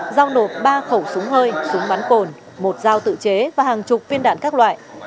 giao nộp ba khẩu súng hơi súng bắn cồn một dao tự chế và hàng chục viên đạn các loại